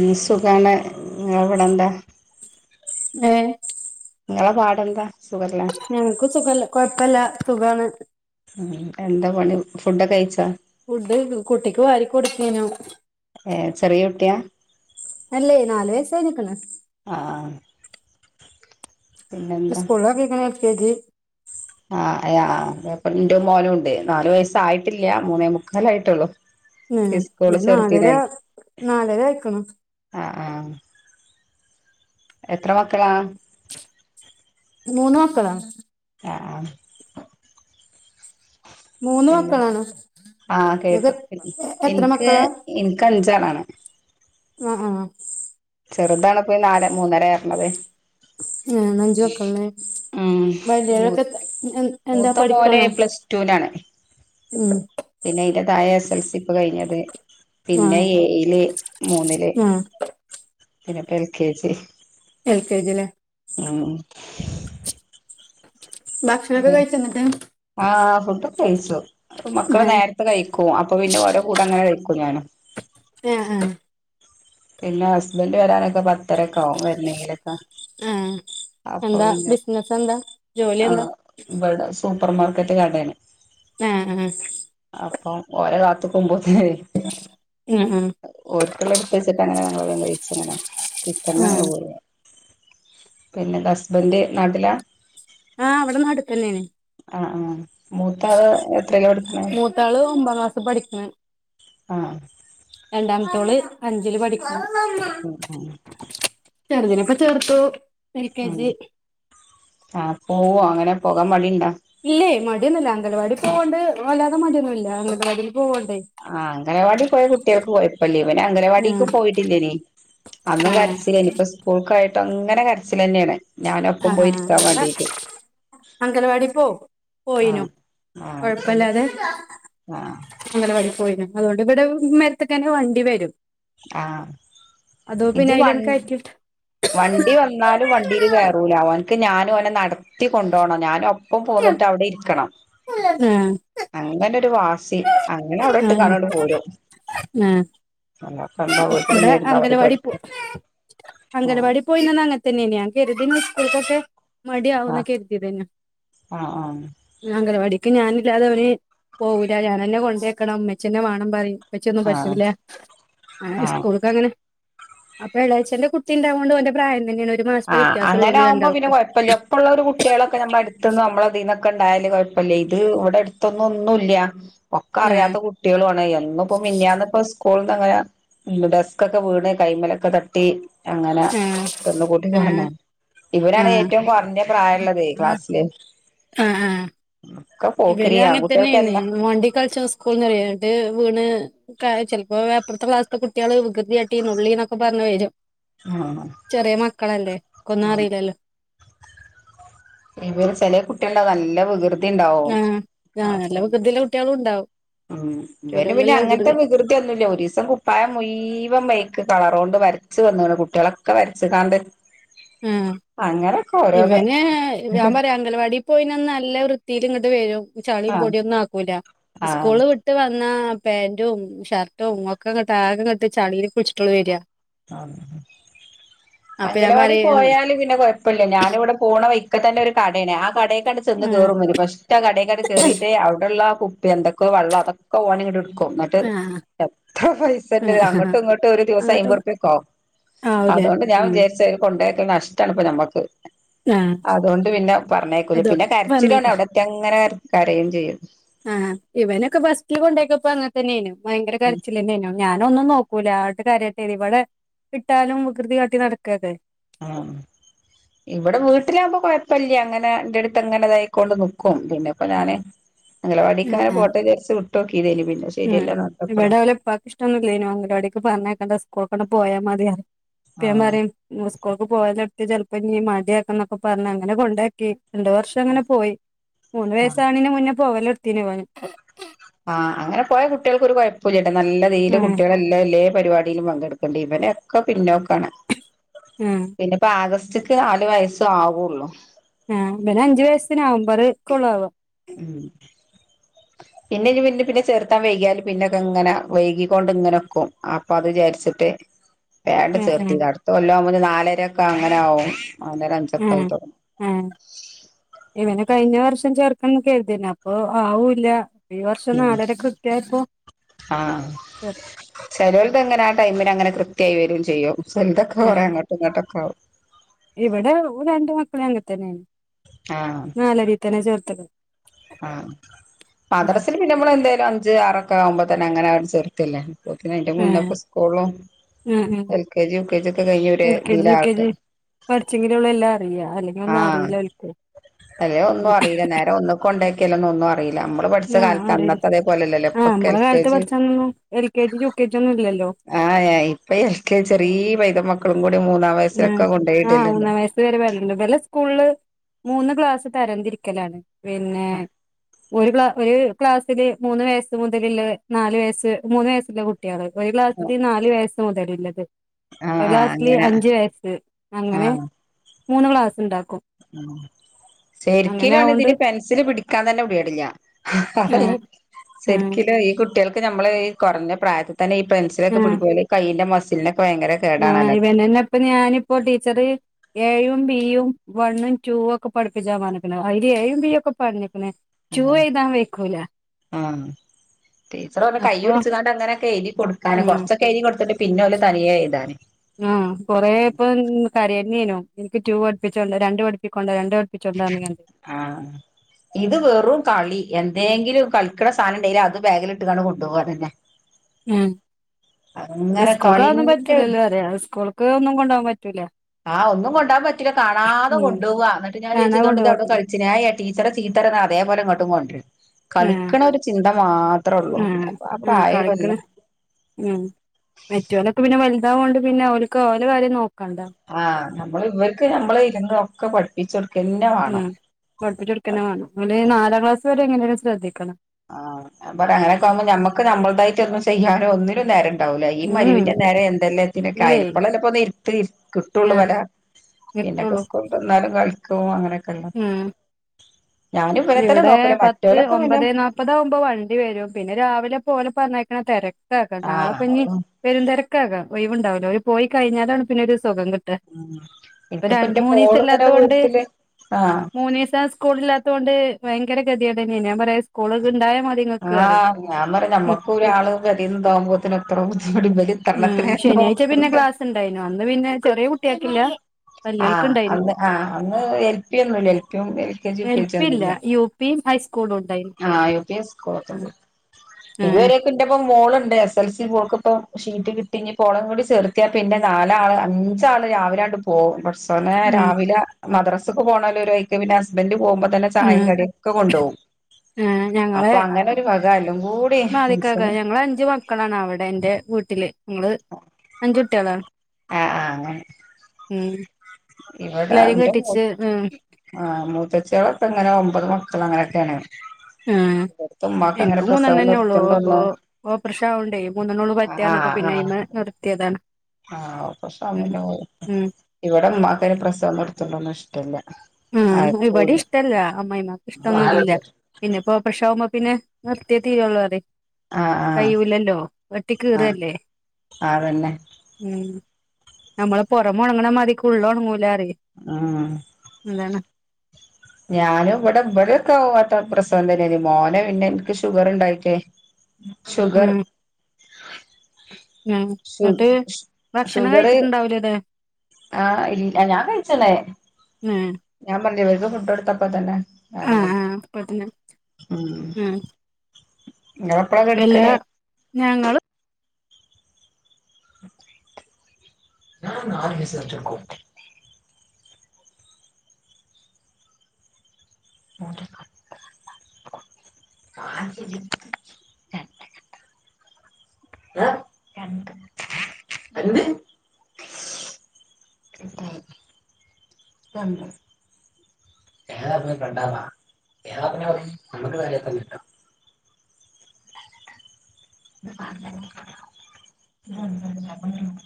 Me സുഖാണ് ഇവിടെന്താ ഏ നിങ്ങളെ പാടെന്താ സുഖല്ലേ ഞങ്ങക്ക് സുഖല്ല കൊഴപ്പല്ല സുഖാണ് ഉം എന്താ പണി ഫുഡൊക്കെ കഴിച്ചാൽ ഫുഡ് കുട്ടിക്ക് വാരി കൊടുക്കനു ഏ ചെറിയ കുട്ടിയാ അല്ലേ നാല് വയസായി നിിക്കണ ആഹ് പിന്നെന്താ സ്കൂള കേക്കണ എക്കതി ആഹ് അപ്പ എന്റെ മോനുണ്ട് നാലു വയസ്സായിട്ടില്ല മൂന്നേ മുക്കാല ആായിട്ടുള്ളു ഉം ഇ നാലര നാലര ആയിക്കണു ആഹ എത്ര മക്കളാ മൂന്നോക്കളാം ആ മൂന്ന് മക്കളാണ് ആഹ ഇങ്ങക്ക് കേട്ടു എത്ര എനിക്ക് മക്കളാ എനിക്ക് അഞ്ചാറാണ് ആഹ ആഹ ചെറുതാണ് ഇപ്പൊ ഈ നാലല് മൂന്നര ആരണത് ആ നഞ്ച വെക്കല്ലേ ഉം മൂ വലിയരൊക്കെ മൂത്ത പോന പ്ലസ് ടുനാണ് ഉം പിന്നെ അതിറതായ എസ് എൽസി ഇപ്പ കഴിഞ്ഞത് ആ പിന്നെ ഏയില് മൂന്നില് ആ പിന്നെപ്പ L K G L K ജിിലെ ആ ഉ ഭക്ഷണൊക്കെ കഴിച്ചോ ന്നിട്ട് ആഹ് ആ ഫട്ട കഴിച്ചു മക്കള് നേരത്തെ കഴിക്കും അപ്പൊ പിന്നെ ഓരോ കൂടെ അങ്ങനെ കഴിക്കും ഞൻ ആഹ ആഹ പിന്നെ ഹസ്ബന്ഡ് വരാനൊക്കെ പത്തരക്കെ ആും വരുന്നെങ്കിലൊക്കെ ആഹ് അപ്പൊ എന്താ ഇന്നെ ബിസിനസ് എന്താ ജോലി ആ എന്താ ഇടെ സൂപ്പർമാർക്കറ്റ് കടയാണ് ആഹ ആഹ ഓര കാത്തക്കുമ്പോത്ത ആഹ് ആഹ് ഒരിക്ക അങ്ങനളങ്ങനെങ്ങനെ ആഹ് പോ പിന്നെ ഹസ്ബന്റ്് നാട്ടിലാ ആഹ് അവിടന്ന് അടുത്ത തന്നെയണ ആ ആ മൂത്തത് എത്രയൊക്ക എടുക്കുന്ന ക്ലസ പഠിക്ക ആഹ രണ്ടാമത്തോള് അഞ്ചില് പഠിക്കണം ഉ ചെറുദിനെപ്പൊ ചെർത്തു ആ ആ പോോ അങ്ങനെ പോകാൻ പടിിയുണ്ടാ ഇല്ലേ മടിയൊന്നുംല്ല അംഗവാടി പോകണ്ട് വല്ലാതെ മടിയൊന്നുമ ഇല്ല അങ്കവാടി ആ അംഗനവാടി പോയ കുട്ടികൾക്ക് പോയപ്പ ലീവന് ആഹ് അംഗനവാടിക്ക്ും പോയിട്ടില്ലന അന്നും കരച്ചിലേനി ഇപ്പ സ്കൂൾക്കായിട്ട് അങ്ങനെ കരച്ചില തന്നെയാണ് ആ നല്ല അംഗൽവാടി പോ പോയിനു ആഹ് കൊഴപ്പല്ലാതെ ആഹ് ആഹ് അംഗനവാടി [unintelligible] പോയ്ന് അതുകൊണ്ട് ഇവിടെ ഇമ്മര്ത്ത്ക്കെന്നെ വണ്ടി വെരും ആഹ് പിന്നെ ഇത് വ അയിലണ് കയറ്റിട്ട് വണ്ടി വന്നാലും വണ്ടിയിൽ കയറൂലാ ഓന് ഞാൻ ഓനെ നടത്തിക്കൊണ്ടു പോവ ണം ഞാനും അവനു ഒപ്പം പോയിട്ട് അവിടെ ഇരിക്കണം ആഹ് ട്ട് വാസി അങ്ങനെ ഔടെ ആഹ് ഇട്ട്ക്കാണ്ടണ്ട് പോരും ആഹ് അല്ലാപ്പന്താ ഇവിടെ വീട്ടിലിങ്ങനെ ഇരുന്നാ മതി അംഗനവാടിയിൽ പഠിക്ക പോയി ആഹ് അംഗനവാടി പോയി നിന്നാൽ അങ്ങനെ തന്നെയാണ് ഞാൻ കരുതിയത് സ്കൂളിൽ [unintelligible] മടിയാകുമെന്ന് ആഹ് കരുതിയതാണ് ആഹ് ആഹ് അംഗനവാടിയിലേക്ക് ഞാൻ അല്ലാതെ അവന് പോകൂല്ല ഞാനന്നെ കൊണ്ടാക്കണം ഇമ്മച്ചന്നെ വാണം പറിം ഇപ്പച്ചി ഒന്നും ആഹ് പറ്റൂല ആഹ് സ്കൂൾക്കങ്ങനെ അപ്പ എളെച്ഛന്റെ കുട്ടി ഇണ്ടാകും ഓന്റെ പ്രായം തന്നെയാണ് ഒരു മാസത്തെ ആഹ് വ്യത്യാസള്ളൂ അങ്ങനെ ഓല് ആകുമ്പോ പിന്നെ രണ്ടാൾക്കും കോഴപ്പല്ല ഒപ്പമുള്ള കുട്ട്യാളൊക്കെ നമ്മടെ അട്ത്ത്ന്ന് നമ്മടെ തീന്ന് ഒക്കെ ഇണ്ടായാല് കോഴപ്പല്ല ഇത് ഇവിടെ എട്ത്ത്ന്ന് ഒന്നുല്ല ഒക്കെ ആഹ് അറിയാത്ത കുട്ട്യാളു ആണ് എന്നും ഇപ്പോ മിനിഞ്ഞാന്ന് ഇപ്പ സ്കൂളിന്നങ്ങനെ ഡസ്ക് ഒക്കെ വീണു കൈയും മേലൊക്കെ തട്ടി അങ്ങനെ ആഹ് ചെന്ന് മു ആഹ് ഇവനാണ് ആഹ് ഏറ്റവും കുറഞ്ഞ പ്രായം ഉള്ളത് ക്ലാസ്സില് ഒക്കെ പോക്കിരി ഇവരും അങ്ങനെ തന്നെയാണ് ആൺകുട്ടികൾക്കെല്ലാം മണ്ടി കളിച്ചാസ്കൂള്ന്ന് വീണത്- വീണ് ചിലപ്പോൾ ഇപ്പുറത്തെ ക്ലാസുകളെ കുട്ടികൾ വികൃതി കാട്ടി നുള്ളി എന്നൊക്കെ പറഞ്ഞു വരും ആഹ് ചെറിയ മക്കളല്ലേ അവർക്കൊന്നും അറിയില്ലല്ലോ ഇവര് ചെല കുട്ടികള നല്ല വികൃതി- ഉണ്ടാവും ആ ആ അപ്പൊ നല്ല വികൃതിയുള്ള കുട്ടികളും ഉണ്ടാവും ഉം ഇവര് പിന്നെ അങ്ങനത്തെ വികൃതി ഒന്നുമില്ല ഒരു ദിവസത്തെ കുപ്പായം മുഴുവനും കളർ കൊണ്ട് വരച്ചു വന്നു കുട്ടികളൊക്കെ വരച്ചു കാണ്ട് ആഹ് ഇവന് ഞാൻ പറയാ അംഗൽവാടി പോഎന്നാ- നല്ല വൃത്തിയിൽ ഇങ്ങോട്ട് വരും. ചളിയും ആഹ് പൊടിയും ഒന്നുമാക്കില്ല ആഹ് സ്കൂൾ വിട്ടു വന്നിട്ട് എന്നാ പാൻറും ഷർട്ടും ഒക്കെട്ട് ആകെം കെട്ടി ചളിൽ കുടിച്ചിട്ടുള്ള വരിക അപ്പൊ ഞാൻ അംഗലവാടി പറയും പോയാല് പിന്നെ കൊഴപ്പമില്ല ഞാനിവിടെ പോണ വഴി ഒക്കെ തന്നെ ഒരു കടയാണ് ആ കടയൊക്കെ അങ്ങ് ആഹ് കേറിയിട്ട് ഫസ്റ്റ് കടയിലേക്ക് അങ്ങ് കേറിയിട്ട് അവിടെയുള്ള ഇപ്പൊ എന്തൊക്കെ വെള്ളം അതൊെ ഓൻ ഇങ്ങട്ട് എടുക്കും എന്നിട്ട് ആഹ് എത്ര പൈസന്റെ ആഹ് അങ്ങോട്ടും ഇങ്ങോട്ടും ഒരു ദിവസം അങ്ങോട്ടും അയിമ്പത് - ഓ ആവൂലേ അതുകൊണ്ട് ഞാൻ ഉം വിചാരിച്ച അവര് കൊണ്ടോക്കുന്നത് നഷ്ടാണ് ഇപ്പൊ ഞമ്മുക്ക് ആഹ് അതുകൊണ്ട് പിന്നെ പറഞ്ഞേക്കൂല്ല പിന്നെ അതോണ്ട് പറഞ്ഞേക്ക കരച്ചിലണ അവിടെത്തിയാൽ അങ്ങനെ കരയും ചെയ്യും ആ ഇവനൊക്കെ ബസ്സില് കൊണ്ടക്കപ്പോ അങ്ങെ തന്നെയായിരുന്നു ഭയങ്കര കരച്ചിൽ തന്നെയ് നു ഞാനൊന്നും നോക്കൂല അങ്ങോട്ട് കരയട്ടെ ഇവിടെ ഇട്ടാലും വികൃതി കാട്ടി നടക്കല്ലേ- ആഹ് - ഇവിടെ വീട്ടിലാവകുമ്പോ കുഴപ്പില്ല അങ്ങനെ എന്റെ അടുത്ത് ഇതാക്കിക്കൊണ്ട് നിക്കും പിന്നെ ഇപ്പോ ഞാന് ആഹ് അംഗനവാടിലേക്ക് ആഹ് പോട്ടെന്നു വിചാരിച്ച് വിട്ട് നോക്കീതാ ഇനി പിന്നെ ഉം ശെരിഅല്ലെന്ന് കണ്ടപ്പാളാ അവിടേക്ക് പറഞ്ഞയക്കണ്ട സ്കൂൾക്ക് പോയാൽ മതി പിന്നെ ആഹ് പറ സ്കൂൾക്ക് പോയത്- ഇപ്പോൾ ഇങ്ങനെ മടിയണെന്നൊക്കെ പറഞ്ഞ് അങ്ങനെ കൊണ്ടാക്കി- രണ്ടുവർഷം അങ്ങനെ പോയി മൂന്ന് ആഹ് വയസ്സ്ആക്നേന്റെ മുൻപ് പോവല് തൊട്ത്തിനീ ഇവൻ ആ അങ്ങനെ പോയാ കുട്ടികൾക്കൊ ഒരു കുഴപ്പമില്ലേട്ട നല്ല [unintelligible] ആഹ് കുട്ടികളെല്ലാംല്ലേ പരിപാടിയിലും പങ്കെടുക്കണ്ട, ഇവനൊക്കെ പിന്നോക്കാണ് ആഹ് പിന്നെ ച്ചക്ക് നാല് വയസ്സ് ആവെള്ളു ആഹ് ഇവന് അഞ്ചു വയസ്സ് നവംബർക്കുള്ളിൽ ആകും- ഉം [inaudible] പിന്നെ പിന്നെ ചേർക്കാൻ വൈകിയാൽ പിന്നൊക്കെ ഇങ്ങനെ വൈകി കൊണ്ട് നിൽക്കും അപ്പോൾ അത് വിചാരിച്ചിട്ട് വേഗം ആഹ് ആഹ് ചേർത്തിന് അടുത്തകൊല്ലം ആകുമ്പോൾ ഇനി നാലര ഒക്കെ അങ്ങനെയാകും ഉം ആ ഇവന് കഴിഞ്ഞ വർഷം ചേർതാന്ന് കരുതിന അപ്പൊ ആവൂല്ല ഈ വർഷം നാളരെ കൃത്യായപ്പോ ആഹ ചേർ ചെലോലത എങ്ങനെ ആ ടൈമിന് അങ്ങന കൈകരകയും ചെയ്യും ചെലതൊക്കെ ആ കുറ അങ്ങോട്ടും ഇങ്ങോട്ടൊക്കെ ആകും. ഇവിടെ രണ്ട് മക്കളും അങ്ങ തന്നെയാണ് ആഹ് നാലരീ തന്നെ ചേർത്ത. ആഹ് മദ്രസിന് പിന്നെ നമ്മള് എന്തായാലും അഞ്ച് ആറൊക്കെ ആവുമ്പ തന്നെ അങ്ങനെ അവും ചെറുത്തില്ല? പ്പൊത്തിന് അയിന് ആ മുന്നപ്പ സ്കൂളും ആ ആ L K G U K G ഒക്കെ കഴിഞ്ഞ ഒര് ഇതിലാവട്ടെ. പഠിച്ചെങ്കിലും ഉള്ള എല്ലാം അറിയാ അല്ലെ? ആഹ് അല്ലേ ഒന്നും അറിയില്ല നേരം ഒന്ന് കൊണ്ടാക്കിയല്ല ഒന്നു ഒന്നും അ അറിയില്ല നമ്മള് പഠിച്ച ആ കാലത്ത് അറിയില്ല അന്നത്തെ അതേപോലെല്ലല്ലോ ആ ഇപ്പൊ എൽ നമ്മളെ കെ കാലത്ത് ജി. പഠിച്ചന്നൊന്നും L K G U K G ഒന്നും ഇല്ലല്ലോ ആഹ് ഇപ്പ എക്കെ ചെറിയ പെയ്ത ഉം ആഹ് മൂന്ന വയസ് വരെ വേര്ല്ണ്ട് ബല സ്കൂള്ള് മൂന്ന് ക്ലാസ് തരംതിരിക്കലാണ് പിന്നെ ഒരു ക്ല ഒരു ക്ലാസ്സില് മൂന്ന് വയസ്സ് മുതലുള്ള നാല് വയസ്സ് മൂന്ന് വയസ്സുള്ള കു ഒരുക്ലാസിൽ ആഹ് നാല് വയസ് മുതലള്ളത് ഒരു ആഹ് ളാസിൽ അങ്ങനെ അഞ്ജ് അഞ്ച് വയസ്സ് അങ്ങനെ ആഹ് മൂന്ന് ക്ലാസ് ഉണ്ടാക് ശരിക്കലുംണ് ആവോണ്ട് ഇതിന് പെൻസില് പിടിക്കാൻ തന്നെ പീടില്ല. ആഹ് ആഹ് ശരിക്കലും ഈ കുട്ടികൾക്ക് നമ്മൾഈ കുറഞ്ഞ പ്രായത്തിൽ തന്നെ ഈ പെൻസിലൊക്കെ പിടി പോല കൈയിന്റെ മസിലൊക്കെ ആഹ ഇവന്നന്നെ ഇപ്പൊ ഞാനിപ്പോ ടീച്ചറ് ഏഴും ബീയും. വണ് റ്റു ഒക്കെ പടിപ്പിച്ചാമ്പറഞ്ഞകന് അതിൽ എയും ബീയൊക്കെ പർഞ്ഞക്കണ് റ്റു എയ്താൻ വെയ്കൂല. ആഹ് ടീച്ചർ പർഞ് അപ്പൊ കയ്യുടിച്ങ്ങാണ്ട് അങ്ങനെക്കെ എഴതി കൊടുക്കാാന് ഉം കൊറച്ചൊക്കെ എയ്തി കൊടുത്തിട്ട് പിന്നെ ഓല് തനിയെഴ്താന്. ആ കൊറെ ഇപ്പം കര തന്നേനു എനിക്ക് റ്റു പഠിപ്പിച്ചോണ്ട രണ്ട് പഠപ്പിക്കൊണ്ട രണ്ട് പ ആഹ് ഇത് വെറും കളി എ ന്തേങ്കിലും കളിക്കണ സാനണ്ടെൽ അത് ബാഗിലിട്ടങ്ങാണ്ട കൊുപോക അതന്നെ ഉം അങ്ങനെ സ്കൂൾക്ക അതൊന്നും കളിന്റെ പറ്റൂലല്ലോ അറയാ സ്കൂൾക്ക് ഒന്നും കൊണ്ടകാൻ പറ്റൂല. ആഹ ഒന്നും കൊണ്ടാൻ പറ്റില്ല കാണതെ ഉം കൊണ്ട് പോവാ ന്നട്ട് ഞാൻ ചോതിച് കാണാ തുകൊണ്ട് ഇത് എവിടെ കൊണ്ടോവാത്തത് കളിച്ചിന ടീച്ചറെ ചീ ഇ അതപോലെ ങ്ങട്ടും കൊണ്ടുരും. ആഹ് കളിക്കണ ഒരു ചിന്ത മാത്രേ ഉള്ളൂ ആഹ് പിന്നെപ്പൊ ആ ആഹ് പ്രയോക്കെല്ലേ. കളിക്കണ് ഉം മറ്റവലൊക്കെ പിന്നെ വലുതാവോണ്ട് പിന്നെ ഓല്ക് ഓല കാര്യം നോക്ക ആഹ് നമ്മൾ ഇവർക്ക് നമ്മള് ഇരുന്ന ഒക്കെ പഠിപ്പിച്ച കൊടുക്ക ഉം പഠിപ്പികൊടുക്കനെ വേണം അ നാലാം ക്ലാസ് വരെ എങ്ങനെയും ശ്രദ്ധിക്കണം. ആഹ് ഞാപറയാ ഉം അങ്ങനൊക്കെകുമ്പോ ഞമ്മക്ക് നമ്മളതായിട്ട് ഒും ചെയ്യാനോ ഒന്നിനും നേരം ഉണ്ടാവൂല ഈ മരിവി ഉം നേരെ എന്തെല്ലേത്തി ഇല്ലേ കായലപ്പളല്ലെ പോ ഇരുത്ത് കിട്ടുള്ളൂ ആഹ് പെര പിന്നക്കെ കിട്ടുള്ളൂ സ്കൂള്ട്ടന്നാലും കളിക്കു അങ്ങനെയൊക്കെല്ലെ ഉം ഇവിടെ പത്ത് പിന്നെ ഒമ്പത് നാപത് ആവും ഇപ്പൊ വണ്ടി വരും പിന്നെ രാവിലെ പോലെ പറഞ്ഞയക്കണ തിരക്കക്കെ ആഹ് നാളെപ്പനി ഉം വരും തിര ക്കതാ ഓയ്വുണ്ടാവൂല ഓരു പോയി കഴിഞ്ഞാലാണ് പിന്നെ ഒരു സുഖംകിട്ട ഇപ്പൊ ര എനിക്കിപ്പ എന്റെ മൂന്ന ദിവസം മോള് ഇങ്ങനെ ഇല്ലാതോണ്ട്. വീട്ടില് ആഹ് മൂന്നീസം സ്കൂളില്ലാതോണ്ട് ഭയങ്കര ഗതികേടെൻ ഞാൻ പറയാ സ്കൂള്ണ്ടായ. ആഹ് ഞാൻ പറ നമ്മക്കും ഒരാള് പേരിൽണ്ടകുമ്പോ എത്ര ബുദ്ധിമുട്ടാ ഉം ഇതാരാണ്ണത്തിനെ. ശനിയാഴ്ച പിന്നെ ക്ലാസ് ഉണ്ടായിനു അന്ന് പിന്നെ ചെറിയ കുട്ടിയെക്കില്ല. ആഹ് അന്ന് ആ് അന്ന് എൽപിയ ഒന്നുംല്ല എൽപിയും എൽ കെ ജി ഒക്കെ എൽ ഇല്ല യു പീമ് ഹൈസ്കൂളും ഉണ്ടായിനു ആ യു പി ഉം സ്കളുണ്ട് ഉം ഇവരെയൊക്കെ ഇന്റപ്പ മോളുണ്ട് എസ് എൽ സി പോ പ്പ ഷീറ്റ് കിട്ടി ഞ്ഞിപോളേം കൂടി ചേർത്തിയാൽ പിന്നെ നാലാള് അഞ്ചാള് രാവിലാങ്ങട് പോകും. പടച്ചോനെ ഉം രാവിലെ മദ്രസക്ക് പോണ്ണോൽ ഒരു വൈക്ക് പിന്നെ ഹസ്ബന്റും പോകുമ്പോ തന്നെ ചായയും കടിയക്കെ കൊണ്ടോകും. ആഹ് ഞങ്ങള്- എല്ലും കൂടി മതിക്കാക്കാ മനസ്സിന് ഞങ്ങള് അഞ്ചു മക്കളാണ് അവിടെ എന്റെ വീട്ട നിങ്ങള് അഞ്ച് കുട്ടികളാണ് ആഹ ആഹ് അങ്ങനെ ഇവിടെ എല്ലാരിം എന്റെ കെട്ടിച്ച് ഉം ആ മൂത്തച്ചികളൊക്കെ ഇങ്ങനെ ഒമ്പത് മക്ക അങ്ങനെയൊക്കെയാണ് ഏഹ് ഉമ്മാക്ക് അങ്ങനെ എനിക്ക് മൂന്നെണ്ണം പ്രസവം തന്നെ ഉള്ളൂ അപ്പൊ നിർത്തണ്ടൊന്നും ഓപ്രേഷനാവണ്ടേ മൂന്നെണ്ണ ഉള്ളൂ പറ്റാനപ്പ പിന്നെ അയമേ നിർത്തി താണ് ആഹ പക്ഷ ഇവിടെ ഉമ്മാക്കാര് പ്രസവം നിർത്തുന്നതൊന്നും ഇഷ്ടമല്ല ആ ഇവിടെ ഇഷ്ടമല്ല അമ്മമായിമാക്ക് ഇഷ്ടൊന്നുമ ഇല്ല പിന്നെപ്പോ ഓപ്രേഷ പിന്നെ നിർത്തിയ തീരള്ളൂ അതേ ആഹ് ആഹ് കയൂലല്ലോ വെട്ടി ആഹ് കീറല്ലേ അതന്നെ ഉ നമ്മള് പുറമുണങ്ങണ മതിരിക്കുള്ളിൽ ഉണങ്ങൂല ആഹ എന്താണ് ഞാനും ഇവിടെ ഇവിടൊക്ക ആവും അത്ര പ്രസവം തന്നെയ മോനെ പിന്നെ എനിക്ക് ഷുഗർ ഉണ്ടായിട്ടേ ഷുഗർ ഉം ഉം ഷു എന്നിട്ട് ഭക്ഷണം ഷുഗർ കഴിച്ചിട്ടുണ്ടാവല അതെ ആഹ് ഇല്ല ഞാൻ കഴിച്ചന്നെ ഉം ഞാൻ പറഞ്ഞിട്ല്ലേ വർക്ക് ഫുഡ് കൊടുത്തപ്പ തന്നെ ആ ആഹ് ആഹ് അപ്പത്തിന് [inaudible] ഉം ഇങ്ങളെപ്പളാ ഇല്ലാ ഞങ്ങളും [unintelligible] ന ആ മസ് അച്ചുക്ക [unintelligible] മു [inaudible] ആ [inaudible] [unintelligible] ആ രണ്ട് [inaudible] [inaudible] [unintelligible] [inaudible]